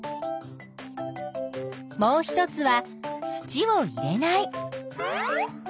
もう一つは土を入れない。